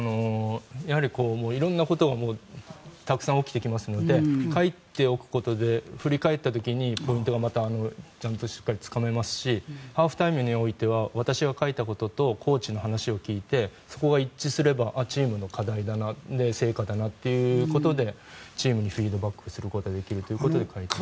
やはり色んなことがたくさん起きてきますので書いておくことで振り返った時にポイントがまたちゃんとしっかりつかめますしハーフタイムにおいては私が書いたこととコーチの話を聞いてそこが一致すればチームの課題だな成果だなっていうことでチームにフィードバックすることができるということで書いています。